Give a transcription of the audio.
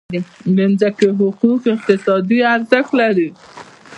د ځمکې حقوق اقتصادي ارزښت لري.